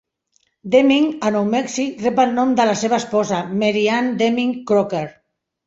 Deming, a Nou Mèxic, rep el nom de la seva esposa, Mary Ann Deming Crocker.